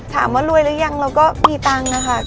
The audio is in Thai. ถามว่ารวยหรือยังเราก็มีตังค์นะคะ